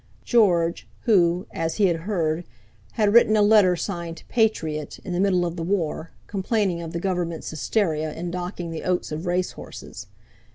George, who, as he had heard, had written a letter signed "Patriot" in the middle of the War, complaining of the Government's hysteria in docking the oats of race horses.